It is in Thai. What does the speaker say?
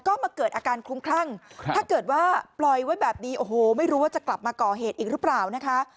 ก็มาเกิดอาการคลุ้มคลั่งถ้าเกิดว่าปล่อยไว้แบบนี้โอ้โหไม่รู้ว่าจะกลับมาก่อเหตุอีกหรือเปล่านะคะ